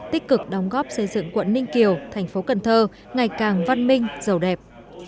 tích cực đóng góp xây dựng quận ninh kiều thành phố cần thơ ngày càng văn minh giàu đẹp